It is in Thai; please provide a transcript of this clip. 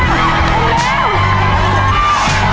อยู่แล้วอยู่แล้ว